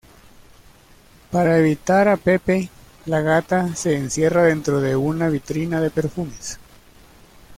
Para evitar a Pepe, la gata se encierra dentro de una vitrina de perfumes.